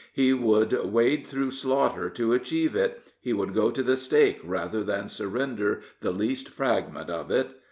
He would wade through slaughter to achieve it; he would go to the stake rather than surrender the least fragment of it.